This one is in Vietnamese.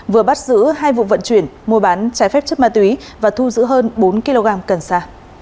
vừa bắt giữ hai vụ vận chuyển mua bán trái phép chất ma túy và thu giữ hơn bốn kg cần sa